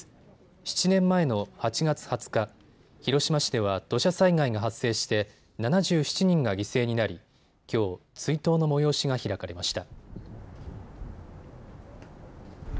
７年前の８月２０日、広島市では土砂災害が発生して７７人が犠牲になりきょう追悼の催しが開かれました。